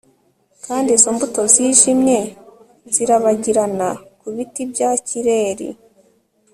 kandi izo mbuto zijimye zirabagirana ku biti bya kireri